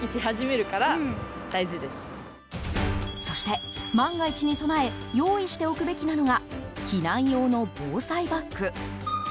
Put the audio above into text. そして万が一に備え用意しておくべきなのが避難用の防災バッグ。